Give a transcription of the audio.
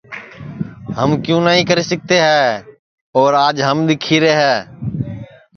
ہم کیوں نائی کری سِکتے ہے اور آج ہم دِکھی رے ہے